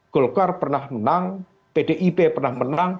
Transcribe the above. golkar pernah menang pdip pernah menang